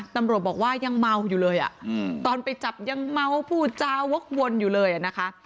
ตำรวจบอกว่ายังเมาอยู่เลยตอนไปจับยังเมาพูดจาวกวนอยู่เลยนะคะ